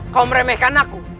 kau meremehkan aku